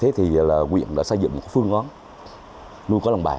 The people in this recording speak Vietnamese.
thế thì là huyện đã xây dựng một phương ngón nuôi cá lồng bè